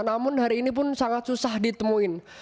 namun hari ini pun sangat susah ditemuin